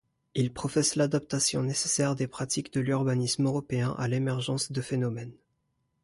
Il professe l'adaptation nécessaire des pratiques de l'urbanisme européen à l'émergence de phénomène.